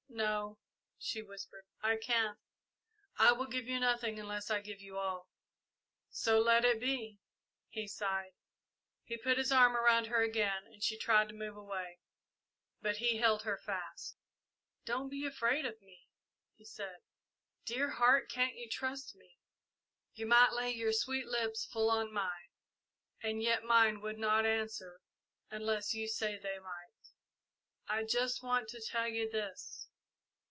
"No," she whispered, "I can't. I will give you nothing unless I give you all." "So let it be," he sighed. He put his arm around her again, and she tried to move away, but he held her fast. "Don't be afraid of me," he said. "Dear Heart, can't you trust me? You might lay your sweet lips full on mine, and yet mine would not answer unless you said they might. I just want to tell you this.